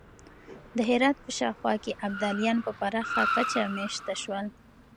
د هرات په شاوخوا کې ابدالیان په پراخه کچه مېشت شول.